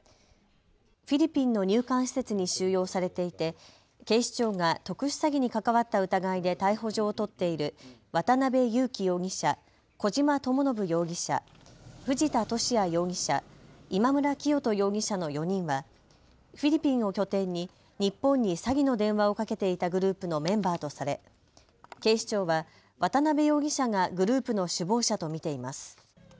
フィリピンの入管施設に収容されていて警視庁が特殊詐欺に関わった疑いで逮捕状を取っている渡邉優樹容疑者、小島智信容疑者、藤田聖也容疑者、今村磨人容疑者の４人はフィリピンを拠点に日本に詐欺の電話をかけていたグループのメンバーとされ警視庁は渡邉容疑者がグループの首謀者と見ています。